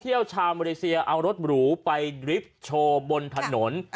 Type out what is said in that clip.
เที่ยวชาวเมริกเซียเอารถหรูไปดริฟท์โชว์บนถนน